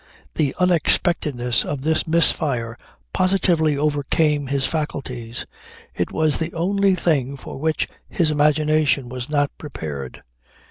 The unexpectedness of this misfire positively overcame his faculties. It was the only thing for which his imagination was not prepared.